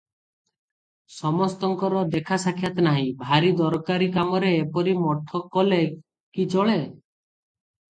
ସମସ୍ତଙ୍କର ଦେଖାସାକ୍ଷାତ ନାହିଁ, ଭାରି ଦରକାରି କାମରେ ଏପରି ମଠ କଲେ କି ଚଳେ?"